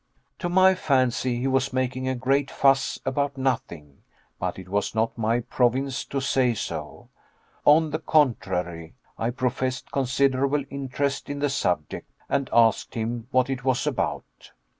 To my fancy he was making a great fuss about nothing, but it was not my province to say so. On the contrary, I professed considerable interest in the subject, and asked him what it was about.